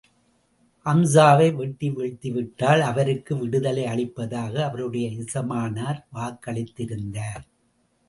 ஹம்ஸாவை வெட்டி வீழ்த்தி விட்டால், அவருக்கு விடுதலை அளிப்பதாக, அவருடைய எஜமானர் வாக்களித்திருந்தார்.